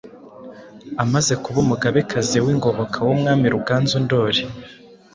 amaze kubaUmugabe-kazi w’ingoboka w’Umwami Ruganzu Ndoli.